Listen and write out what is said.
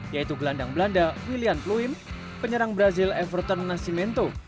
yaitu gelandang belanda william pluim penyerang brazil everton nascimento